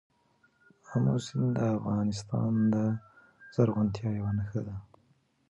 آمو سیند د افغانستان د زرغونتیا یوه نښه ده.